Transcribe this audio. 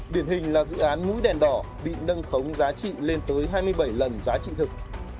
điển hình là dự án mũi đèn đỏ bị nâng khống giá trị lên tới hai mươi bảy lần giá trị thực